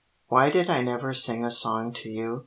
Why did I never sing a song to you?